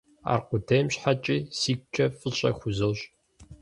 Аркъудейм щхьэкӀи сигукӀэ фӀыщӀэ хузощӀ.